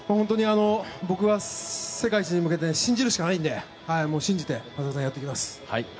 僕は、世界一に向けて信じるしかないので信じてやっていきます。